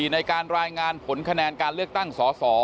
ในการรายงานผลคะแนนการเลือกตั้งสอสอ